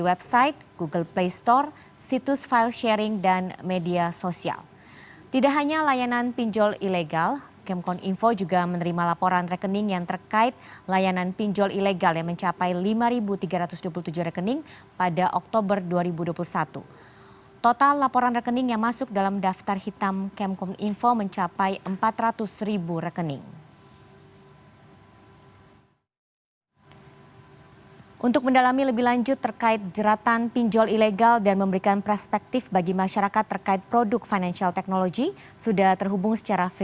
menteri komunikasi dan informatika johnny platt mengungkapkan pinjol ilegal itu tersebar di sejumlah pelajaran